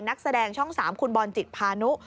นักแสดงช่อง๓คุณบอลจิตพานุ